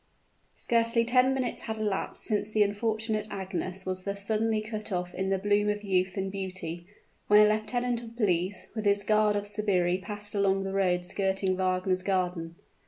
Scarcely ten minutes had elapsed since the unfortunate Agnes was thus suddenly cut off in the bloom of youth and beauty, when a lieutenant of police, with his guard of sbirri, passed along the road skirting Wagner's garden.